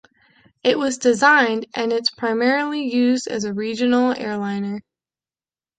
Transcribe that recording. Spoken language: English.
It was designed, and is primarily used, as a regional airliner.